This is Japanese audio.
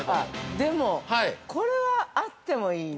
でも、これはあってもいいね。